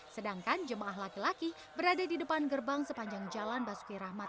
sedangkan jemaah laki laki berada di depan gerbang sepanjang jalan basuki rahmat